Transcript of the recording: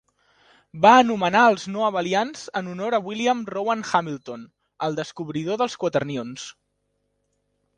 Va anomenar els no abelians en honor a William Rowan Hamilton, el descobridor dels quaternions.